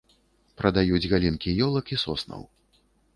Прадаюць галінкі ёлак і соснаў.